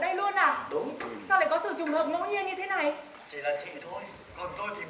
sao lại có sự trùng hợp ngẫu nhiên như thế này